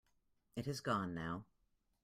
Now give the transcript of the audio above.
It has gone now.